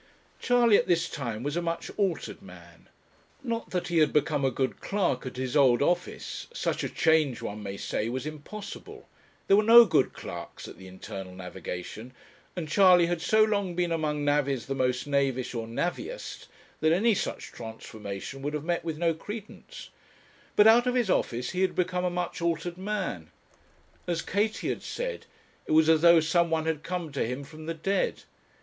Charley at this time was a much altered man; not that he had become a good clerk at his old office such a change one may say was impossible; there were no good clerks at the Internal Navigation, and Charley had so long been among navvies the most knavish or navviest, that any such transformation would have met with no credence but out of his office he had become a much altered man. As Katie had said, it was as though some one had come to him from the dead.